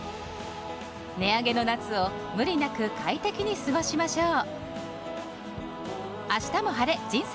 値上げの夏を、無理なく快適に過ごしましょう。